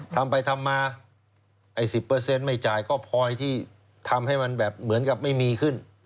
ทำไปทำมาไอ้๑๐ไม่จ่ายก็พอยที่ทำให้มันแบบเหมือนกับไม่มีขึ้น